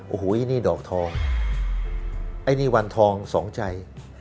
โอ้โหนี่ดอกทองไอ้นี่วันทองสองใจ